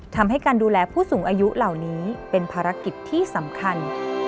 ทำให้การดูแลผู้สูงอายุเหล่านี้เป็นภารกิจที่สำคัญ